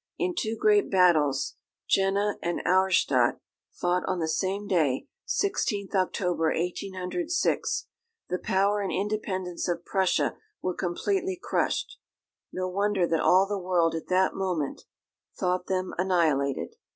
In two great battles, Jena and Auerstadt, fought on the same day, 16th October 1806, the power and independence of Prussia were completely crushed. No wonder that all the world at that moment thought them annihilated!